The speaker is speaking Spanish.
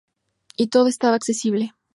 Y todo estaba accesible.